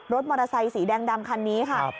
มอเตอร์ไซสีแดงดำคันนี้ค่ะ